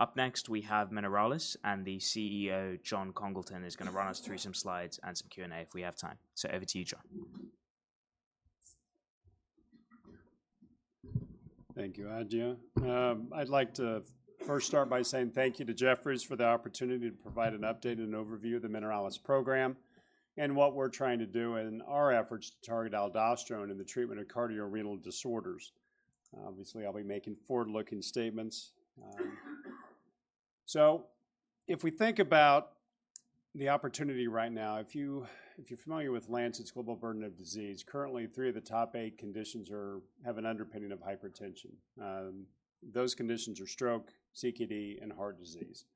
Up next, we have Mineralys, and the CEO, Jon Congleton, is going to run us through some slides and some Q&A if we have time. Over to you, Jon. Thank you, Adja. I'd like to first start by saying thank you to Jefferies for the opportunity to provide an update and overview of the Mineralys program and what we're trying to do in our efforts to target aldosterone in the treatment of cardiorenal disorders. Obviously, I'll be making forward-looking statements. So if we think about the opportunity right now, if you, if you're familiar with Lancet's Global Burden of Disease, currently, three of the top eight conditions have an underpinning of hypertension. Those conditions are stroke, CKD, and heart disease.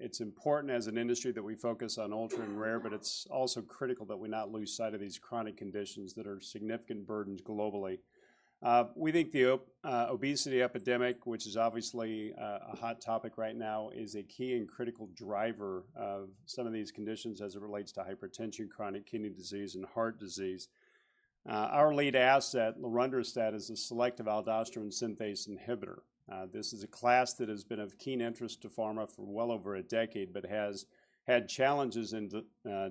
It's important as an industry that we focus on ultra and rare, but it's also critical that we not lose sight of these chronic conditions that are significant burdens globally. We think the obesity epidemic, which is obviously a hot topic right now, is a key and critical driver of some of these conditions as it relates to hypertension, chronic kidney disease, and heart disease. Our lead asset, lorundrostat, is a selective aldosterone synthase inhibitor. This is a class that has been of keen interest to pharma for well over a decade but has had challenges in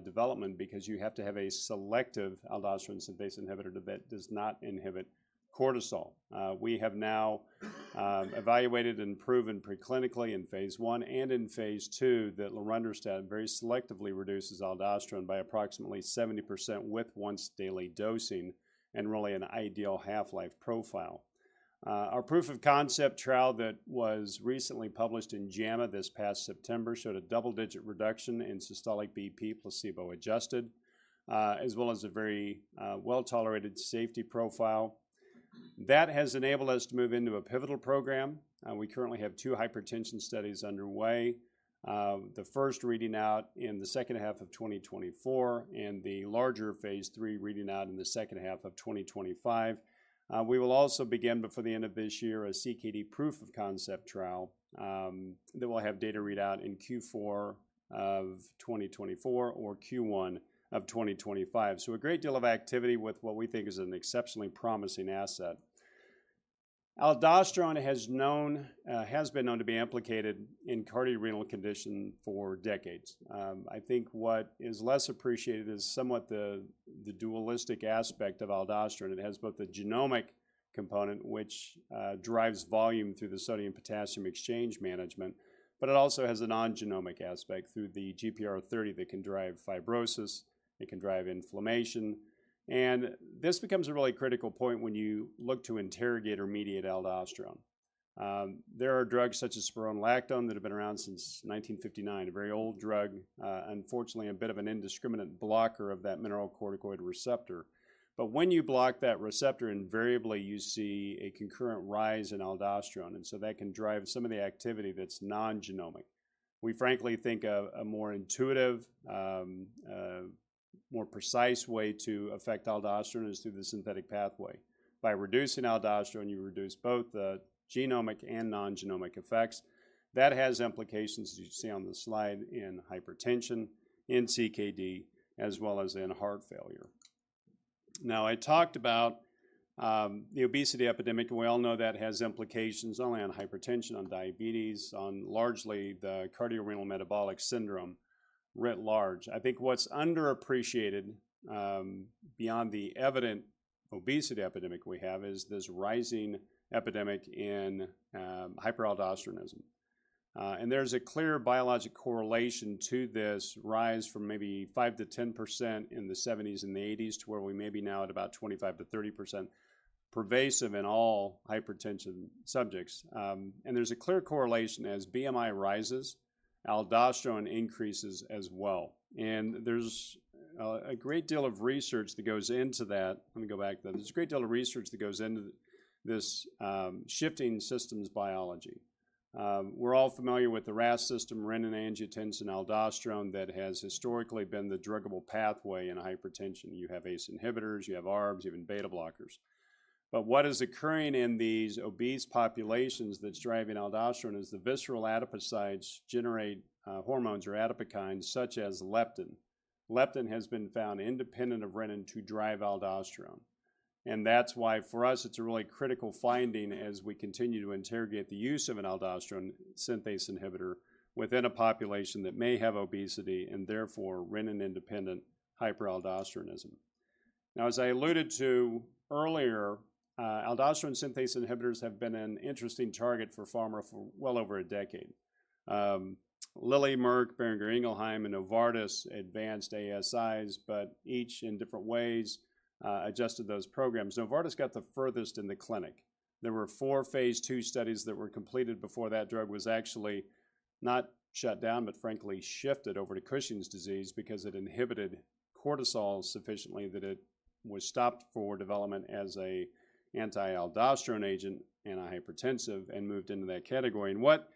development because you have to have a selective aldosterone synthase inhibitor that does not inhibit cortisol. We have now evaluated and proven preclinically in phase I and in phase II, that lorundrostat very selectively reduces aldosterone by approximately 70% with once-daily dosing and really an ideal half-life profile. Our proof of concept trial that was recently published in JAMA this past September showed a double-digit reduction in systolic BP, placebo-adjusted, as well as a very well-tolerated safety profile. That has enabled us to move into a pivotal program. We currently have two hypertension studies underway. The first reading out in the second half of 2024, and the larger phase III reading out in the second half of 2025. We will also begin, before the end of this year, a CKD proof of concept trial that will have data read out in Q4 of 2024 or Q1 of 2025. So a great deal of activity with what we think is an exceptionally promising asset. Aldosterone has been known to be implicated in cardiorenal condition for decades. I think what is less appreciated is somewhat the dualistic aspect of aldosterone. It has both the genomic component, which drives volume through the sodium-potassium exchange management, but it also has a non-genomic aspect through the GPR30 that can drive fibrosis, it can drive inflammation. And this becomes a really critical point when you look to interrogate or mediate aldosterone. There are drugs such as spironolactone that have been around since 1959, a very old drug, unfortunately, a bit of an indiscriminate blocker of that mineralocorticoid receptor. But when you block that receptor, invariably you see a concurrent rise in aldosterone, and so that can drive some of the activity that's non-genomic. We frankly think a more intuitive, more precise way to affect aldosterone is through the synthetic pathway. By reducing aldosterone, you reduce both the genomic and non-genomic effects. That has implications, as you see on the slide, in hypertension, in CKD, as well as in heart failure. Now, I talked about the obesity epidemic, and we all know that has implications not only on hypertension, on diabetes, on largely the cardiorenal metabolic syndrome writ large. I think what's underappreciated, beyond the evident obesity epidemic we have, is this rising epidemic in hyperaldosteronism. And there's a clear biologic correlation to this rise from maybe 5%-10% in the '70s and the '80s, to where we may be now at about 25%-30%, pervasive in all hypertension subjects. And there's a clear correlation. As BMI rises, aldosterone increases as well. And there's a great deal of research that goes into that. Let me go back. There's a great deal of research that goes into this shifting systems biology. We're all familiar with the RAAS system, renin-angiotensin-aldosterone, that has historically been the druggable pathway in hypertension. You have ACE inhibitors, you have ARBs, you have beta blockers. But what is occurring in these obese populations that's driving aldosterone is the visceral adipocytes generate hormones or adipokines, such as leptin. Leptin has been found independent of renin to drive aldosterone, and that's why, for us, it's a really critical finding as we continue to interrogate the use of an aldosterone synthase inhibitor within a population that may have obesity and therefore renin-independent hyperaldosteronism. Now, as I alluded to earlier, aldosterone synthase inhibitors have been an interesting target for pharma for well over a decade. Lilly, Merck, Boehringer Ingelheim, and Novartis advanced ASIs, but each in different ways, adjusted those programs. Novartis got the furthest in the clinic. There were four phase II studies that were completed before that drug was actually not shut down, but frankly shifted over to Cushing's disease because it inhibited cortisol sufficiently, that it was stopped for development as a anti-aldosterone agent and a hypertensive and moved into that category. What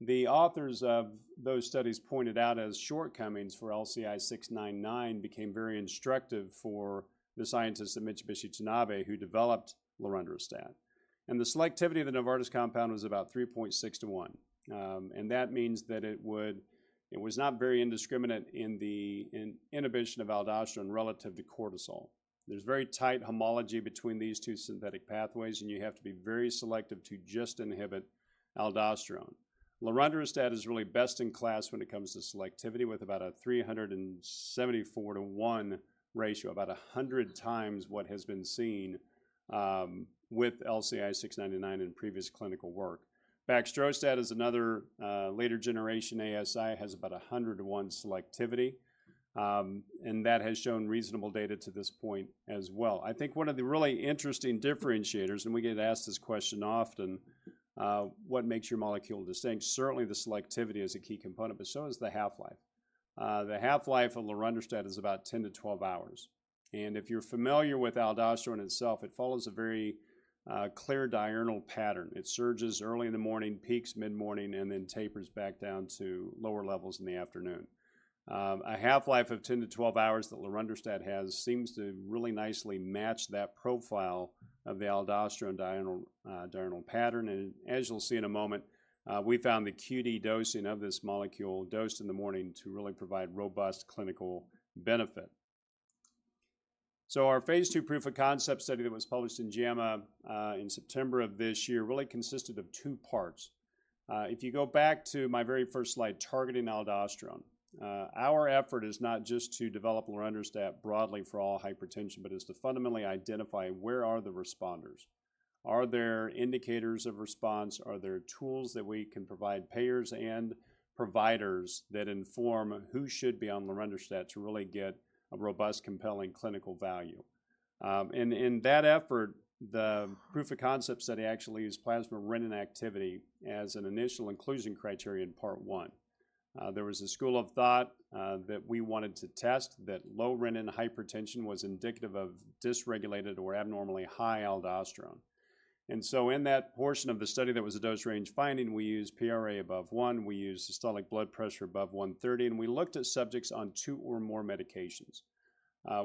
the authors of those studies pointed out as shortcomings for LCI699 became very instructive for the scientists at Mitsubishi Tanabe, who developed lorundrostat. The selectivity of the Novartis compound was about 3.6 to 1. And that means that it would... It was not very indiscriminate in the inhibition of aldosterone relative to cortisol. There's very tight homology between these two synthetic pathways, and you have to be very selective to just inhibit aldosterone. Lorundrostat is really best in class when it comes to selectivity, with about a 374-to-1 ratio, about 100 times what has been seen with LCI699 in previous clinical work. Baxdrostat is another later generation ASI, has about a 100-to-1 selectivity, and that has shown reasonable data to this point as well. I think one of the really interesting differentiators, and we get asked this question often, what makes your molecule distinct? Certainly, the selectivity is a key component, but so is the half-life. The half-life of lorundrostat is about 10-12 hours, and if you're familiar with aldosterone itself, it follows a very clear diurnal pattern. It surges early in the morning, peaks mid-morning, and then tapers back down to lower levels in the afternoon. A half-life of 10-12 hours that lorundrostat has seems to really nicely match that profile of the aldosterone diurnal pattern, and as you'll see in a moment, we found the QD dosing of this molecule dosed in the morning to really provide robust clinical benefit. So our phase 2 proof of concept study that was published in JAMA in September of this year really consisted of two parts. If you go back to my very first slide, targeting aldosterone, our effort is not just to develop lorundrostat broadly for all hypertension, but is to fundamentally identify where are the responders? Are there indicators of response? Are there tools that we can provide payers and providers that inform who should be on lorundrostat to really get a robust, compelling clinical value? And in that effort, the proof of concept study actually used plasma renin activity as an initial inclusion criterion in part 1. There was a school of thought that we wanted to test that low renin hypertension was indicative of dysregulated or abnormally high aldosterone. And so in that portion of the study, that was a dose range finding, we used PRA above 1, we used systolic blood pressure above 130, and we looked at subjects on 2 or more medications.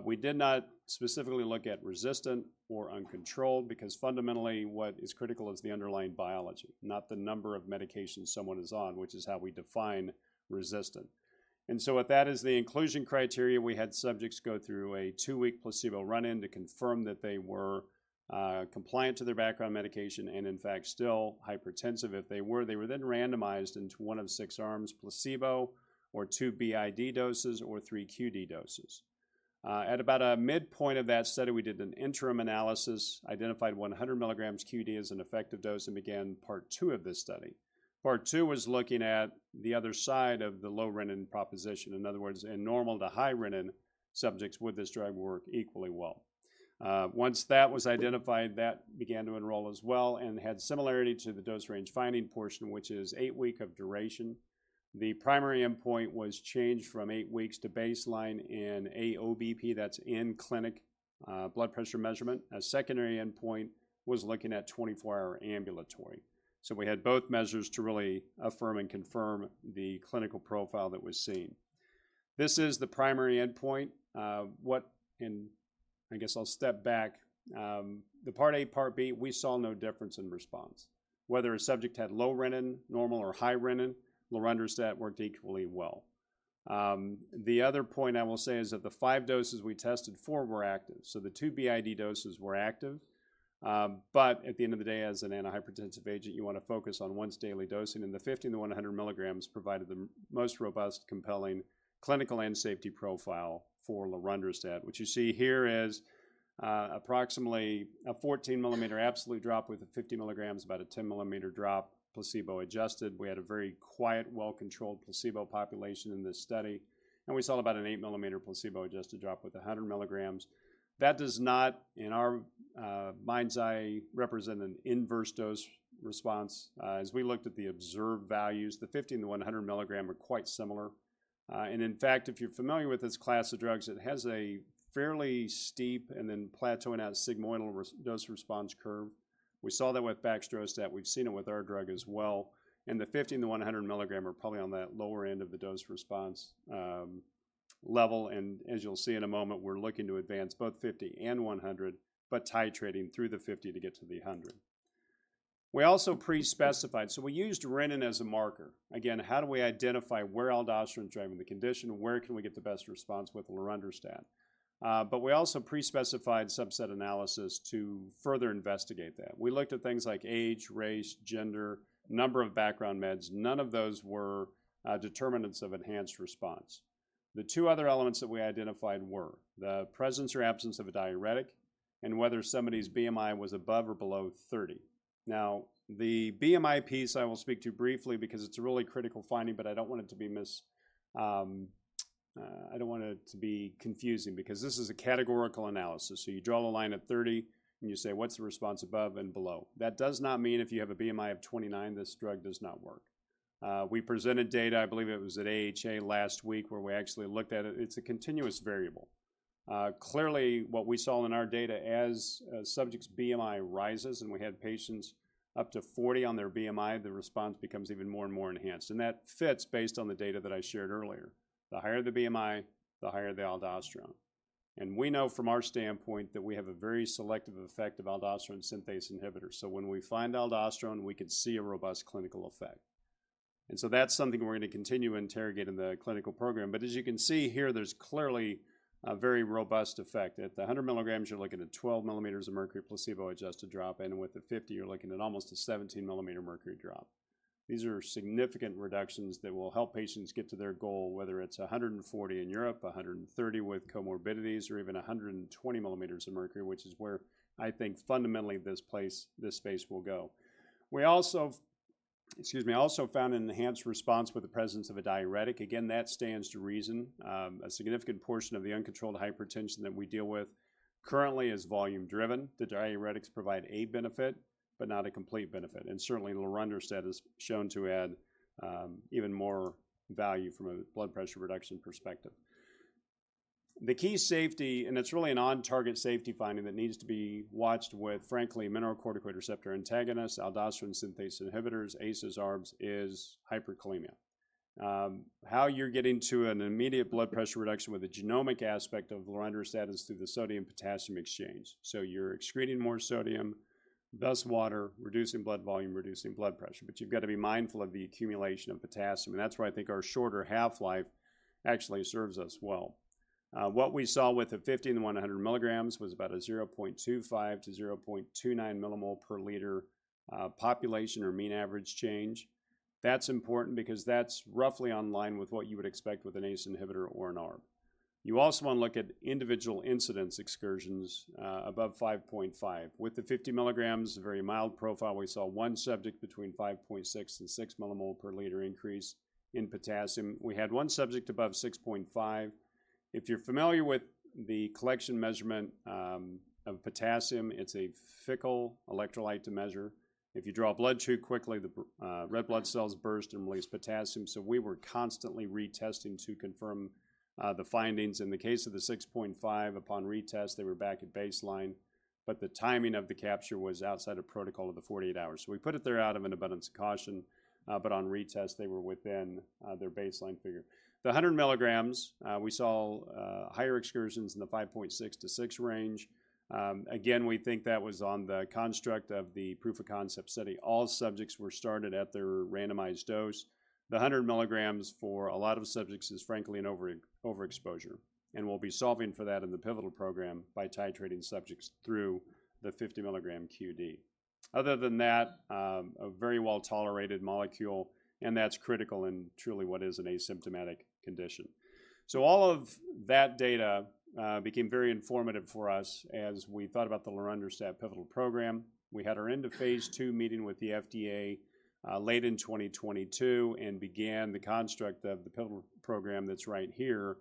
We did not specifically look at resistant or uncontrolled, because fundamentally, what is critical is the underlying biology, not the number of medications someone is on, which is how we define resistant. So with that as the inclusion criteria, we had subjects go through a 2-week placebo run-in to confirm that they were compliant to their background medication and in fact, still hypertensive. If they were, they were then randomized into one of six arms, placebo or two BID doses, or three QD doses. At about a midpoint of that study, we did an interim analysis, identified 100 mg QD as an effective dose, and began part two of this study. Part two was looking at the other side of the low renin proposition. In other words, in normal to high renin subjects, would this drug work equally well? Once that was identified, that began to enroll as well and had similarity to the dose range finding portion, which is 8-week of duration. The primary endpoint was changed from 8 weeks to baseline in AOBP, that's in-clinic blood pressure measurement. A secondary endpoint was looking at 24-hour ambulatory. So we had both measures to really affirm and confirm the clinical profile that was seen. This is the primary endpoint. And I guess I'll step back. The part A, part B, we saw no difference in response. Whether a subject had low renin, normal, or high renin, lorundrostat worked equally well. The other point I will say is that the 5 doses we tested, 4 were active. So the two BID doses were active, but at the end of the day, as an antihypertensive agent, you wanna focus on once daily dosing, and the 50 and the 100 mg provided the most robust, compelling clinical and safety profile for lorundrostat. What you see here is approximately a 14-mm absolute drop with the 50 mg, about a 10-mm drop, placebo-adjusted. We had a very quiet, well-controlled placebo population in this study, and we saw about an 8-mm placebo-adjusted drop with a 100 mg. That does not, in our mind's eye, represent an inverse dose response. As we looked at the observed values, the 50 and the 100 mg are quite similar. And in fact, if you're familiar with this class of drugs, it has a fairly steep and then plateauing out sigmoidal dose-response curve. We saw that with baxdrostat, we've seen it with our drug as well, and the 50 and the 100 mg are probably on that lower end of the dose response level, and as you'll see in a moment, we're looking to advance both 50 and 100, but titrating through the 50 to get to the 100. We also pre-specified... So we used renin as a marker. Again, how do we identify where aldosterone's driving the condition? Where can we get the best response with lorundrostat? But we also pre-specified subset analysis to further investigate that. We looked at things like age, race, gender, number of background meds. None of those were determinants of enhanced response. The two other elements that we identified were: the presence or absence of a diuretic, and whether somebody's BMI was above or below 30. Now, the BMI piece I will speak to briefly because it's a really critical finding, but I don't want it to be confusing because this is a categorical analysis. So you draw a line at 30, and you say, "What's the response above and below?" That does not mean if you have a BMI of 29, this drug does not work. We presented data, I believe it was at AHA last week, where we actually looked at it. It's a continuous variable. Clearly, what we saw in our data as a subject's BMI rises, and we had patients up to 40 on their BMI, the response becomes even more and more enhanced, and that fits based on the data that I shared earlier. The higher the BMI, the higher the aldosterone. We know from our standpoint that we have a very selective effect of aldosterone synthase inhibitor. So when we find aldosterone, we could see a robust clinical effect. And so that's something we're gonna continue to interrogate in the clinical program. But as you can see here, there's clearly a very robust effect. At the 100 mg, you're looking at 12 mm of mercury, placebo-adjusted drop in, and with the 50, you're looking at almost a 17-mm mercury drop. These are significant reductions that will help patients get to their goal, whether it's 140 in Europe, 130 with comorbidities, or even 120 mm of mercury, which is where I think fundamentally this place, this space will go. We also, excuse me, also found an enhanced response with the presence of a diuretic. Again, that stands to reason. A significant portion of the uncontrolled hypertension that we deal with currently is volume-driven. The diuretics provide a benefit, but not a complete benefit, and certainly, lorundrostat is shown to add, even more value from a blood pressure reduction perspective. The key safety, and it's really an on-target safety finding that needs to be watched with, frankly, mineralocorticoid receptor antagonists, aldosterone synthase inhibitors, ACEs, ARBs, is hyperkalemia. How you're getting to an immediate blood pressure reduction with a genomic aspect of lorundrostat is through the sodium-potassium exchange. So you're excreting more sodium, thus water, reducing blood volume, reducing blood pressure, but you've got to be mindful of the accumulation of potassium, and that's why I think our shorter half-life actually serves us well. What we saw with the 50 and the 100 mg was about a 0.25-0.29 millimole per liter population or mean average change. That's important because that's roughly in line with what you would expect with an ACE inhibitor or an ARB. You also want to look at individual incidence excursions above 5.5. With the 50 mg, a very mild profile, we saw one subject between 5.6 and 6 millimole per liter increase in potassium. We had one subject above 6.5. If you're familiar with the collection measurement of potassium, it's a fickle electrolyte to measure. If you draw blood too quickly, the red blood cells burst and release potassium, so we were constantly retesting to confirm the findings. In the case of the 6.5, upon retest, they were back at baseline, but the timing of the capture was outside of protocol of the 48 hours. So we put it there out of an abundance of caution, but on retest, they were within their baseline figure. The 100 mg, we saw higher excursions in the 5.6-6 range. Again, we think that was on the construct of the proof of concept study. All subjects were started at their randomized dose. The 100 mg for a lot of subjects is frankly an overexposure, and we'll be solving for that in the pivotal program by titrating subjects through the 50-mg QD. Other than that, a very well-tolerated molecule, and that's critical in truly what is an asymptomatic condition. So all of that data became very informative for us as we thought about the lorundrostat pivotal program. We had our end-of-phase 2 meeting with the FDA late in 2022 and began the construct of the pivotal program that's right here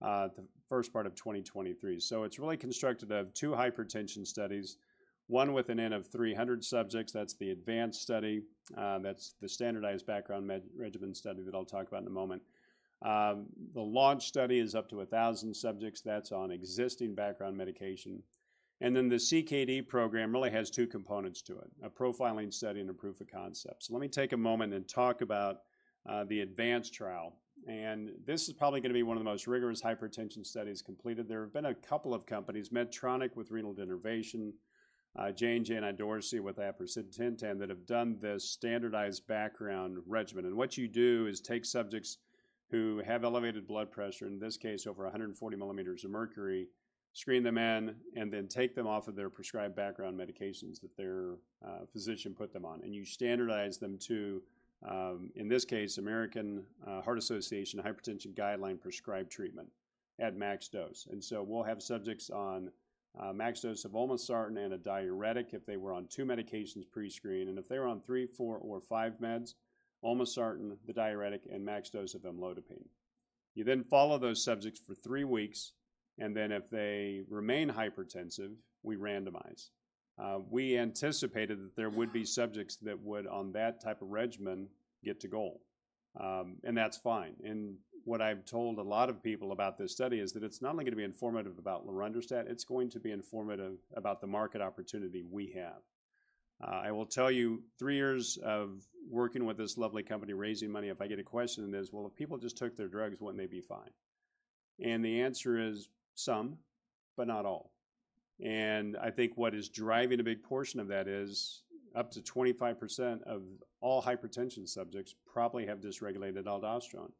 the first part of 2023. So it's really constructed of two hypertension studies, one with an N of 300 subjects. That's the Advance study. That's the standardized background med regimen study that I'll talk about in a moment. The Launch study is up to 1,000 subjects. That's on existing background medication. And then the CKD program really has two components to it, a profiling study and a proof of concept. So let me take a moment and talk about the Advance trial, and this is probably gonna be one of the most rigorous hypertension studies completed. There have been a couple of companies, Medtronic, with renal denervation, J&J and Idorsia with aprocitentan, that have done this standardized background regimen. What you do is take subjects who have elevated blood pressure, in this case, over 140 mm of mercury, screen them in, and then take them off of their prescribed background medications that their physician put them on. You standardize them to, in this case, American Heart Association hypertension guideline prescribed treatment at max dose. So we'll have subjects on max dose of olmesartan and a diuretic if they were on 2 medications pre-screen, and if they were on 3, 4, or 5 meds, olmesartan, the diuretic, and max dose of amlodipine. You then follow those subjects for 3 weeks, and then if they remain hypertensive, we randomize. We anticipated that there would be subjects that would, on that type of regimen, get to goal, and that's fine. And what I've told a lot of people about this study is that it's not only going to be informative about lorundrostat, it's going to be informative about the market opportunity we have. I will tell you, three years of working with this lovely company, raising money, if I get a question, it is, "Well, if people just took their drugs, wouldn't they be fine?" And the answer is some, but not all. And I think what is driving a big portion of that is up to 25% of all hypertension subjects probably have dysregulated aldosterone.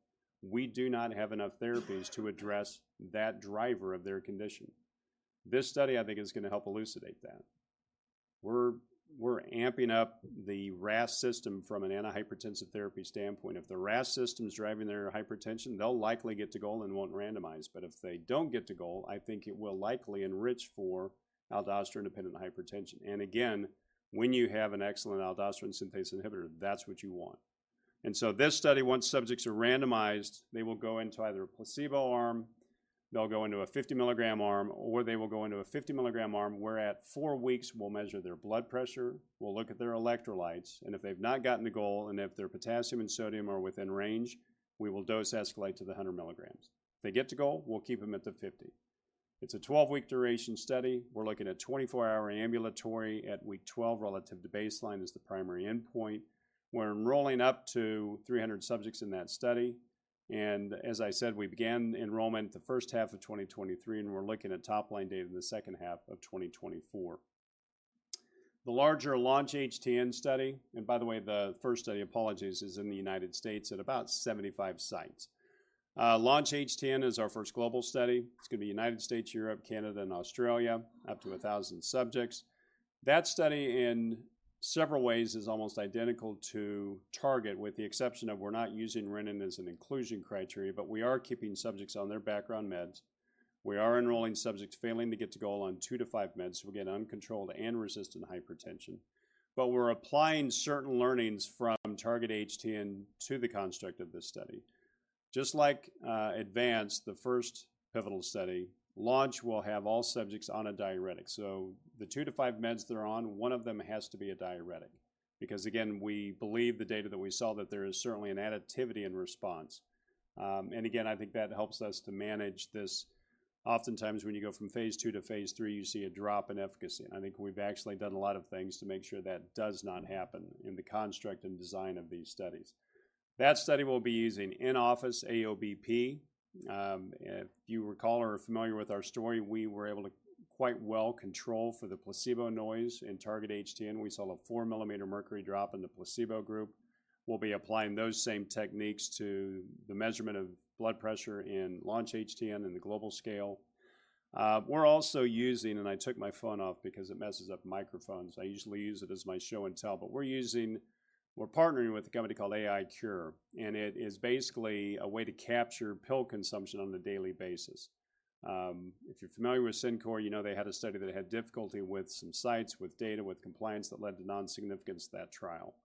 We do not have enough therapies to address that driver of their condition. This study, I think, is gonna help elucidate that. We're amping up the RAS system from an antihypertensive therapy standpoint. If the RAS system is driving their hypertension, they'll likely get to goal and won't randomize. But if they don't get to goal, I think it will likely enrich for aldosterone-dependent hypertension. And again, when you have an excellent aldosterone synthase inhibitor, that's what you want. And so this study, once subjects are randomized, they will go into either a placebo arm, they'll go into a 50-mg arm, or they will go into a 50-mg arm, where at 4 weeks, we'll measure their blood pressure, we'll look at their electrolytes, and if they've not gotten to goal, and if their potassium and sodium are within range, we will dose escalate to the 100 mg. If they get to goal, we'll keep them at the 50. It's a 12-week duration study. We're looking at 24-hour ambulatory at week 12, relative to baseline is the primary endpoint. We're enrolling up to 300 subjects in that study, and as I said, we began enrollment the first half of 2023, and we're looking at top-line data in the second half of 2024. The larger Launch HTN study, and by the way, the first study, apologies, is in the United States at about 75 sites. Launch HTN is our first global study. It's going to be United States, Europe, Canada, and Australia, up to 1,000 subjects. That study, in several ways, is almost identical to Target, with the exception of we're not using renin as an inclusion criteria, but we are keeping subjects on their background meds. We are enrolling subjects failing to get to goal on 2-5 meds, so we get uncontrolled and resistant hypertension. But we're applying certain learnings from Target HTN to the construct of this study. Just like Advance, the first pivotal study, Launch will have all subjects on a diuretic. So the two to five meds they're on, one of them has to be a diuretic. Because, again, we believe the data that we saw, that there is certainly an additivity in response. And again, I think that helps us to manage this. Oftentimes, when you go from phase II to phase III, you see a drop in efficacy. I think we've actually done a lot of things to make sure that does not happen in the construct and design of these studies. That study will be using in-office AOBP. If you recall or are familiar with our story, we were able to quite well control for the placebo noise in Target-HTN. We saw a 4-mm mercury drop in the placebo group. We'll be applying those same techniques to the measurement of blood pressure in Launch-HTN and the global scale. We're also using. And I took my phone off because it messes up microphones. I usually use it as my show and tell, but we're using. We're partnering with a company called AiCure, and it is basically a way to capture pill consumption on a daily basis. If you're familiar with CinCor, you know they had a study that had difficulty with some sites, with data, with compliance, that led to non-significance of that trial.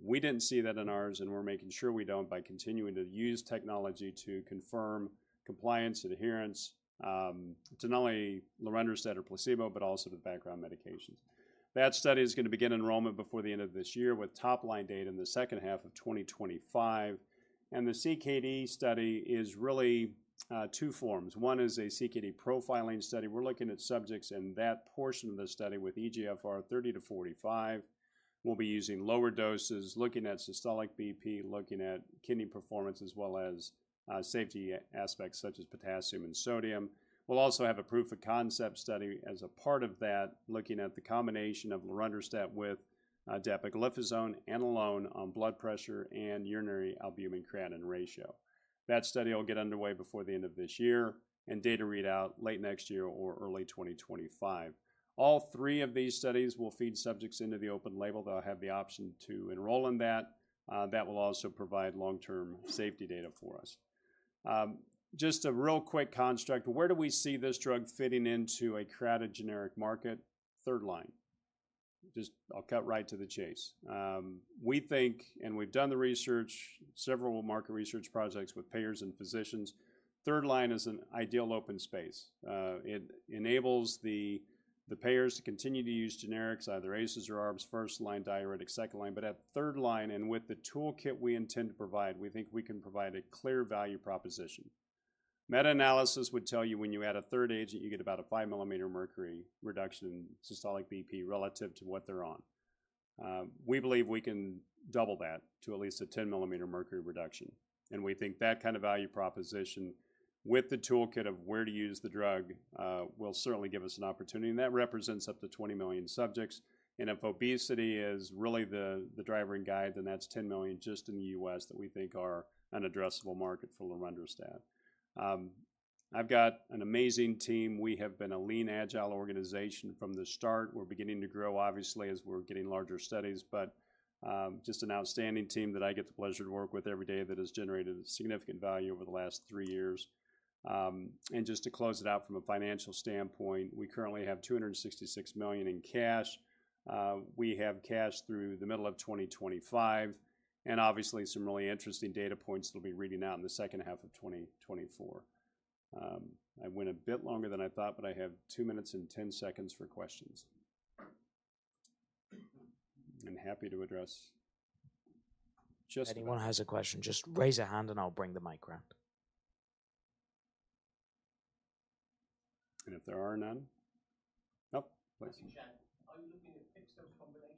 We didn't see that in ours, and we're making sure we don't by continuing to use technology to confirm compliance, adherence, to not only lorundrostat or placebo, but also the background medications. That study is going to begin enrollment before the end of this year, with top-line data in the second half of 2025. The CKD study is really two forms. One is a CKD profiling study. We're looking at subjects in that portion of the study with eGFR 30-45. We'll be using lower doses, looking at systolic BP, looking at kidney performance, as well as safety aspects such as potassium and sodium. We'll also have a proof of concept study as a part of that, looking at the combination of lorundrostat with dapagliflozin and alone on blood pressure and urinary albumin-creatinine ratio. That study will get underway before the end of this year, and data readout late next year or early 2025. All three of these studies will feed subjects into the open label. They'll have the option to enroll in that. That will also provide long-term safety data for us. Just a real quick construct, where do we see this drug fitting into a crowded generic market? Third line. Just I'll cut right to the chase. We think, and we've done the research, several market research projects with payers and physicians, third line is an ideal open space. It enables the payers to continue to use generics, either ACEs or ARBs, first-line diuretic, second line. But at third line, and with the toolkit we intend to provide, we think we can provide a clear value proposition. Meta-analysis would tell you when you add a third agent, you get about a 5-mm mercury reduction in systolic BP relative to what they're on. We believe we can double that to at least a 10 mm Hg reduction, and we think that kind of value proposition with the toolkit of where to use the drug will certainly give us an opportunity, and that represents up to 20 million subjects. If obesity is really the driving guide, then that's 10 million just in the U.S. that we think are an addressable market for lorundrostat. I've got an amazing team. We have been a lean, agile organization from the start. We're beginning to grow, obviously, as we're getting larger studies, but just an outstanding team that I get the pleasure to work with every day that has generated significant value over the last three years. And just to close it out from a financial standpoint, we currently have $266 million in cash. We have cash through the middle of 2025, and obviously some really interesting data points that'll be reading out in the second half of 2024. I went a bit longer than I thought, but I have 2 minutes and 10 seconds for questions. I'm happy to address just- If anyone has a question, just raise your hand and I'll bring the mic around. If there are none... Nope. Are you looking at fixed-dose combinations or as well as apart from the depth of intervention, but with ACE or ARBs?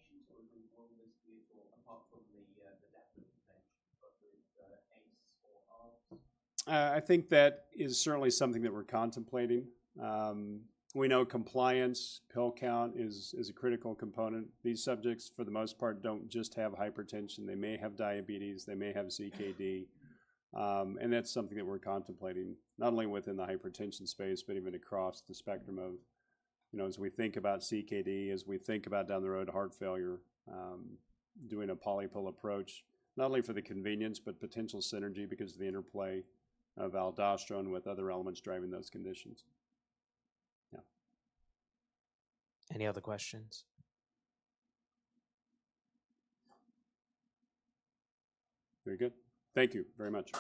I think that is certainly something that we're contemplating. We know compliance, pill count is a critical component. These subjects, for the most part, don't just have hypertension. They may have diabetes, they may have CKD, and that's something that we're contemplating, not only within the hypertension space, but even across the spectrum of... You know, as we think about CKD, as we think about down the road, heart failure, doing a polypill approach, not only for the convenience, but potential synergy because of the interplay of aldosterone with other elements driving those conditions. Yeah. Any other questions? Very good. Thank you very much.